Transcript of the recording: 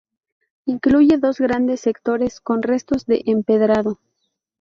Incluye dos grandes sectores con restos de empedrado.